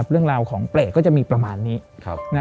เรื่องราวของเปรตก็จะมีประมาณนี้